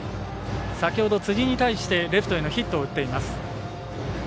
先ほど辻に対してレフトへのヒットを打っています。